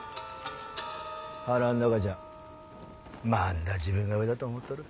腹ん中じゃまんだ自分が上だと思っとる。